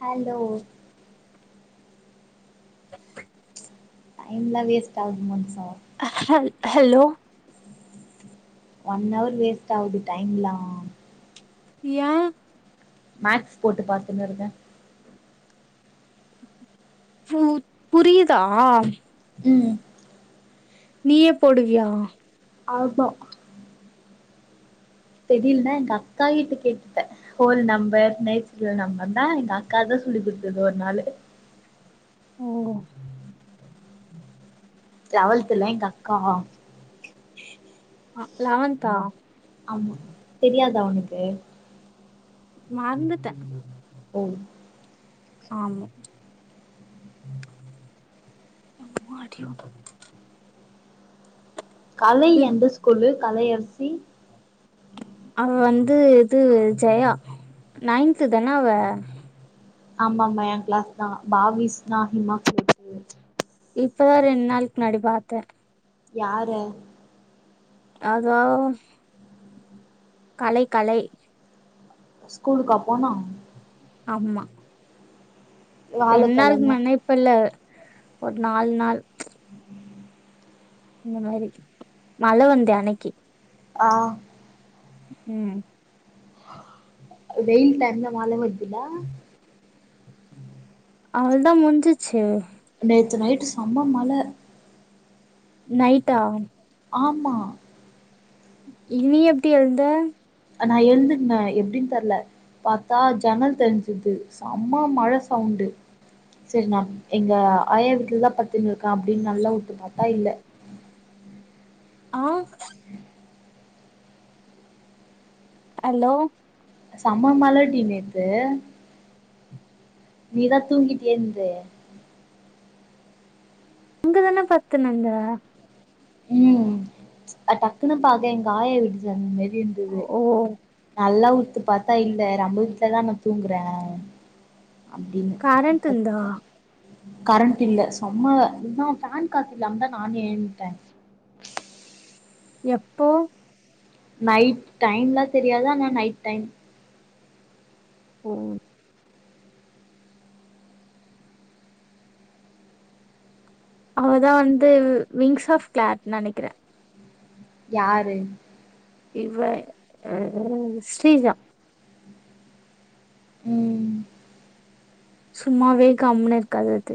hello டைம்லா waste ஆவுது மனுஷா அல் ஹலோ ஒன் அவர் வேஸ்ட்டாகுது டைம்லா ஏ மேக்ஸ் போட்டு பாத்துனு இருக்க பு புரியுதா ம் நீயே போடுவியா ஆமா தெரியலன்னா எங்க அக்கா கிட்ட கேட்டுபே ஹோல் நம்பர் நைச்சல் நம்பர் நா எங்கக்கா தா சொல்லி குடுத்தது ஒருனாலு ஓ லவல்த்துலா எங்கக்கா ஆ லவன்ந்தா ஆமா தெரியாதா உனக்கு மறந்துட்டே ஓ ஆமா அம்மாடியோ கலை எந்த ஸ்கூல்லு கலையரசி அவ வந்து இது ஜெயா நைன்த் தான அவ ஆமாமா எ கிளாஸ் தா பாவிஸ்தா அதிகமா இப்பதா ரெண்ட் நாளைக்கு முன்னாடி பாத்தே யார அதுவா கலை கலை ஸ்கூலுக்கா போனா ஆமா ரெண்டு நாக்கு வியாழக்கெழம முன்னாடின்னா இப்ப இல்ல ஒரு நாலு நாள் இந்த மாரி மழ வந்து அன்னைக்கு ஆ ம் வெயில் தறந்த மழ வருதுல அவ்ளதா மூஞ்சிச்சே நேத்து நைட்டு சம்ம மழ நைட்டா ஆமா இது எப்டி எழுத நா எழுதுக்கன்னே எப்படினு தெர்ல பாத்தா ஜன்னல் தெரிஞ்சது சம்ம மழ சவ் ண்டு சரி நா எங்க ஆயா வீட்டுல தா பத்துன்னு இருக்கே அப்படின்னு நல்லா உத்து பாத்தா இல்ல ஆ அலோ செம்ம மழடி நேத்து நீதா தூங்கிட்டியேந்த இங்கதானே பத்துநுந்த ம் டக்குனுு பாக்க எங்க காய விட்டுலருந்தா மாரி இருந்தது ஓ நல்லா உத்து பாத்தா இல்ல நம்ப வீட்டுலதா நா தூங்குறே அப்படின்னு கரண்ட் இருந்தா பத்துக்க கரண்ட் இல்ல செம்ம இல்லா பேன் காத்து இல்லாம தான் நானு ஏந்துட்டே எப்போ நைட் டைம் எலாம் தெரியாது ஆனா நைட் டைம் ம் அவதா வந்து விங்ஸ் ஆப் கிளாட்னு நினைக்கிறே யாரு இவா ஸ்ரீஜா ம் சும்மாவே கம்னு இருக்காது அது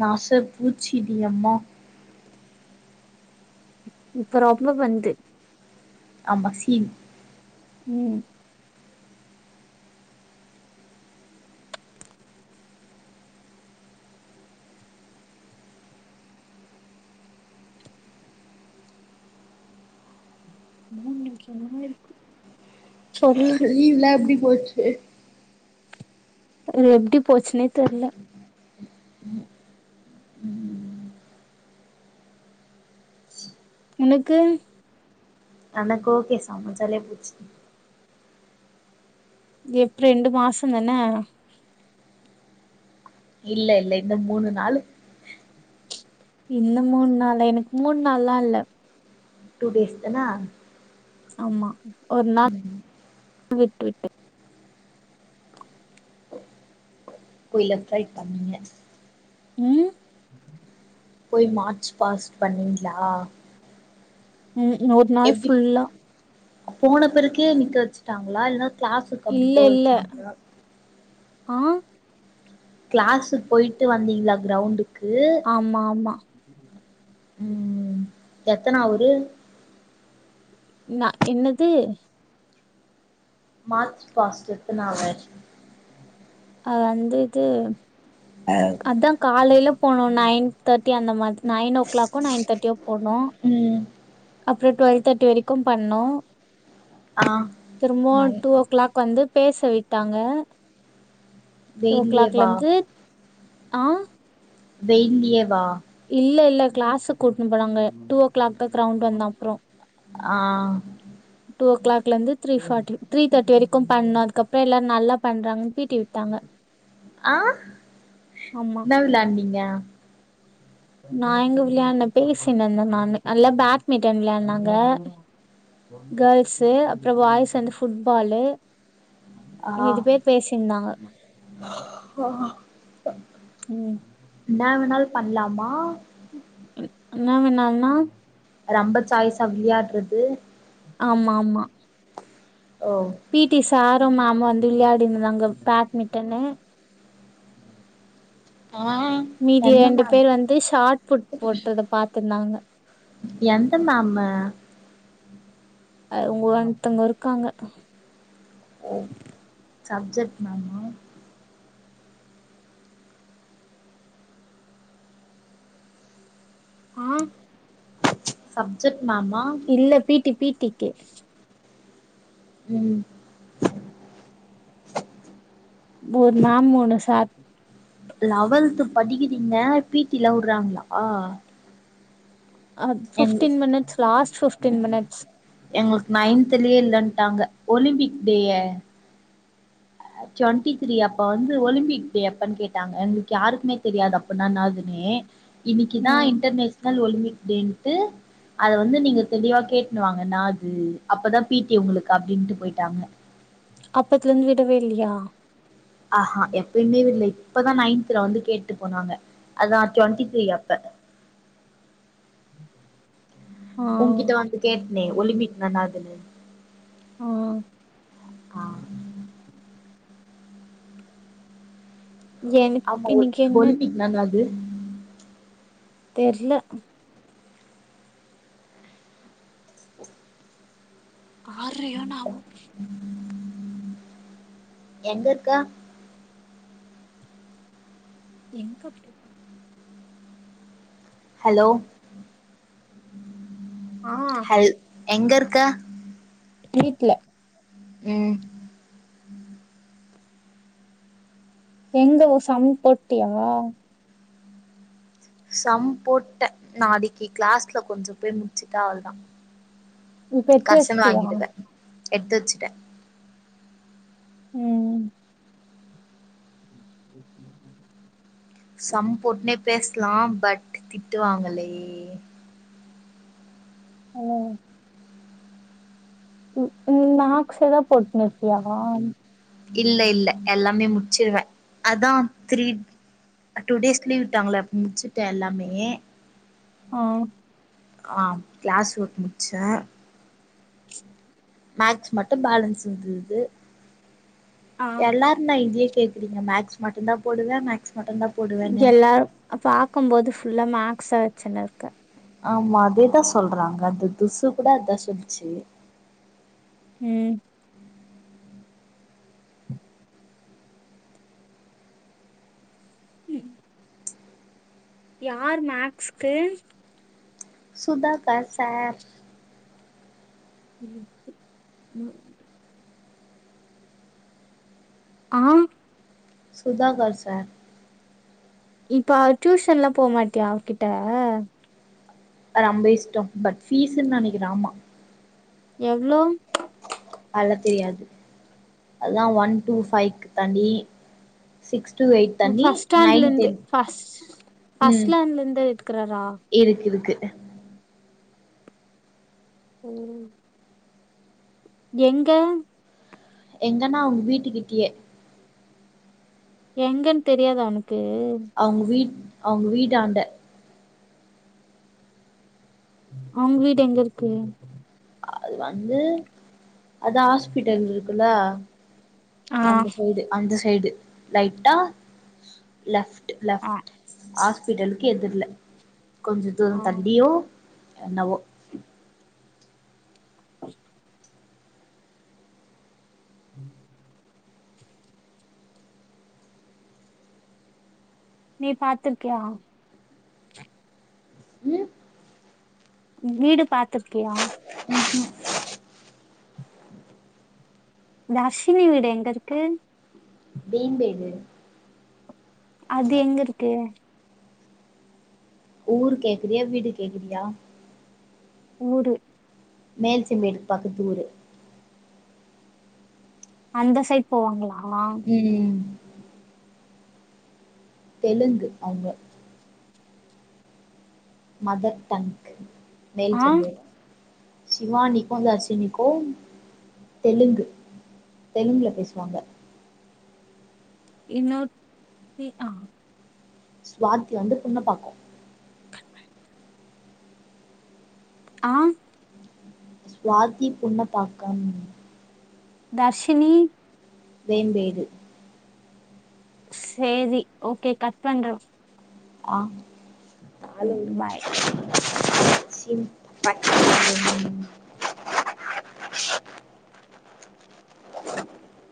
நாசை பூச்சிடி அம்மா இப்ப ரொம்ப பன்து ஆமா சீன் ம் [unintelligible] இருக்கு சொல்லு லீவ்ல லா எப்படி போச்சு அது எப்படி போச்சுன்னே தெர்ல உனக்கு எனக்கு ஓகே செம ஜாலியா போச்சு எப்ப ரெண்டு மாசம் தானே இல்ல இல்ல இந்த மூணு நாளு இன்னும் மூணு நாள்ல எனக்கு மூணு நாள்ல்லா இல்ல டூ டேஸ் தன ஆமா ஒரு நாள் விட்டு விட்டு கோயில பிரை பண்ணே ம் போய் மார்ச் பாஸ்ட் பண்ணீங்லா ம் ஒரு நாள் புல்லா போன பிருக்கே நிக்க வச்சுட்டாங்களா இல்லைன்னா கிளாஸக்கு அப்படி இல்ல போய இல்ல வச்சாங்களா ஆ கிளாஸ்க்கு போயிட்டு வந்தீங்களா கிரயுண்டுக்கு ஆமா ஆமா ம் எத்தனா அவறு என்ன என்னது மார்ச் பஸ்டு நிறுத்தனங்க அ வந்து இது அதா காலையில போனும் நைன் தேர்ட்டி அந்த மாரி நைன் ஓ கிளாக்கோ நைன் தேர்டியோ போகணு ம் அப்புறம் டுவெல்வ தேர்ட்டி வரைக்கு பண்ணோ ஆ திரும்பவு நை டூ ஓ கிளாக் வந்து பேச விட்டாங்க டூ ஓ வெயில்லயே கிளாக்ல வா இருந்து ஆ வெய்லியே வா இல்ல இல்ல கிளாஸ கூட்டினனு போனாங்க டூ ஓ கிளாக் தா கிரௌண்ட் வந்த அப்புறம் ஆ டூ ஓ கிளாக்ல இருந்து த்ரீ தெர்டி த்ரீ தேர்டி வரைக்கும் பண்ணன அது அறம் எல்லாம் நல்லா பண்றாங்கு பீடி விட்டாங்க ஆ ஆமா என்ன விளாண்டிங்க நா எங்க விளையாடுனே பேசினினந்த நானு எல்லா பேட்மிண்டன் விளையாடுனாங்க கேர்ள்ஸ் அப்புறம் பாய்ஸ் வந்து புட்பாலு ஆ மிதி பேர் பேசியிருந்தாங்க ம் என்ன வேணாலு பண்ணலாமா நா வேணான்னா ரம்ப சாய்ஸா விளியாட்றது ஆமா ஆமா ஓ பி டி சார் ப்றோ மாமாந்து விளையாடினுந்தாங்க பேட்மிட்டனு ஆ மீதி எந்த ரெண்டு மேம் பேர் வந்து ஷார்ட் புட் போட்டத பாத்திந்தாங்க எந்த மேமு அ ஒன்த்தங்க இருக்காங்க சப்ஜெக்ட் மேமூ ஆ சப்ஜெக்ட் மேமா இல்ல பீ டி பீ டி க்கி ம் ஒர் மேம் ஒன்னு சார் லவல்த்து படிக்கிறீங்க பீ டி லா உட்றாங்களா அ எங்கு fifteen minutes last fifteen minutes எங்ளுக்கு நைன்த்லயே இல்லன் ட்டாங்க ஒலிம்பிக் டே டொண்டி த்ரீ அப்ப வந்து ஒலிம்பிக் டே எப்பன் கேட்டாங்க எங்ளுக்கு யாருக்குமே தெரியாது அப்பன்னா என்னாதுனு னே இன்னிக்கிதா ம் இன்டர்நேஷ்னல் ஒலிம்பிக் டேன்ட்டு அத வந்து நீங்க தெளிவா கேட் னுவாங்க நாது அப்பதா பீ டி உங்ளுக்கு அப்டின்ட்டு போயிட்டாங்க அப்பத்லேந்து விடவே இல்லியா ஆஹா எப்பயுமே விட்ல இப்பதா நைன்த்துல வந்து கேட்டு போனாங்க அதான் டுவெண்ட்டி த்ரீ அப்ப ஆ னே ஒலிம்பிக்னா என்னாதுனு ஆ ஆ எனக்கு ஆமா ஒல் இன்னைக்கு என்ன ஒலிம்பிக்னா என்னாது தெர்ல ஆறயோ நாமுக்கே எங்கருக்க எங்கப்டி ஹலோ ஆ ஹல் எங்கர் க்க வீட்ல ம் எங்க ஒ சம் போட்டியா சம் போட்டே நாளிக்கி க்ளாஸ்ல கொஞ்சோ போய் முச்சிட்டா அவ்ள்தா இப்ப எத்து கர்சன் வச்ட்டியா வாங்கிடுவே எத்து வச்சுட்டே ம் [inaudible] சம் போட்னே பேசுலா பட் திட்டுவாங்களே ஆ ம்க்ம் மேக்ஸேதா போட்னுருக்கியா இல்லல்லே எல்லாமே முச்சிருவே அதா த்ரீ டூ டேஸ் லீவ் விட்டாங்ல அப்ப முச்சுட்டே எல்லாமே ஆ ஆ கிளாஸ் ஒர்க் முச்சே மேக்ஸ் மட்டு பேலன்ஸுந்துது ஆ எல்லார்னா இதே கேக்குறீங்க மேக்ஸ் மட்டுந்தா போடுவே மேக்ஸ் மட்டுந்தா போடுவேன்னு எல்லா பாக்கும்போது ஃபுல்லா மேக்ஸா வச்சுன்னுருக்கே ஆமா அதேதா சொல்றாங்க அது துசு கூட அதான் சொல்ச்சு ம் ம் யார் மேக்ஸ்க்கு சுதாக்கா சார் [inaudible] ஆ சுதாகர் சார் இப்ப டியூஷன்லா போமாட்டியா அவர் கிட்ட அது அம்ப இஷ்டம் பட் பீஸ்னுு நினைக்கிற ஆமா எவ்ளோ அல்லா தெரியாது அதான் ஒன் டூ ஃபைவ்க்கு தனி சிக்ஸ் டு எய்த் தனி ஃபஸ்ட் ஸ்டாண்ட்ல நைன் இருந்து டென் ஃபஸ்ட் ஃபஸ்ட் ம் ஸ்டாண்ட்ல இருந்து எடுக்கறாரா இருக்கு இருக்கு ம் எங்க எங்கன்னா அவுங்க வீட்டுக்கிட்டயே எங்கன்னு தெரியாத உனுக் அவங்க வீட் அவங்க வீட்டாண்ட அவுங்க வீடு எங்க இருக்கு அது வந்து அதான் ஹாஸ்பிட்டல் இருக்குல்ல ஆ அந்த சைடு அந்த சைடு ரைட்டா லெஃப்ட் ஆ லெஃப்ட் ஆ ஹாஸ்பிட்டலுக்கு எதிர்ல கொஞ்ச தூர ஆ தள்ளியோ என்னவோ அ உம் நீ பாத்ருக்கியா ம் வீடு பாத்ருக்கியா தர்ஷினி வீடு எங்க இருக்கு பெயின்வேடு அது எங்க இருக்கு ஊரு கேக்குறியா வீடு கேக்குறியா ஊரு மேல்சிம்பெடுக்கு பக்கத்தூரு அந்த சைட் போவாங்களா ம் தெலுங்கு அவுங்க மதர் டங்க் மேல் ஆ செம்பேடு சிவானிக்கு தர்ஷினிக்கு தெலுங்கு தெலுங்குல பேசுவாங்க இன்னொத்தி ஆ சுவாதி வந்து புன்னப்பாக்க ஆ சுவாதி புன்னப்பாக்கம் தர்ஷினி வேம்பேடு சேரி ஓகே கட் பண்றோ ஆ [inaudible] பாய் [unintelligible] பாய்